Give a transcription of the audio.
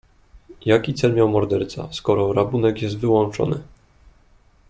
"Jaki cel miał morderca, skoro rabunek jest wyłączony?"